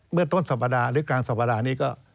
เมื่อต้นสัปดาห์หรือกลางสัปดาห์นี้ก็